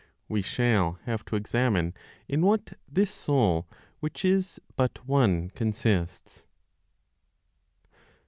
We shall have to examine in what (this Soul which is but) one consists.